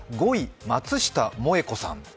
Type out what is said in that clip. ５位、松下萌子さん。